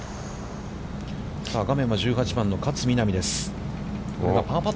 さあ画面は１８番の勝みなみです。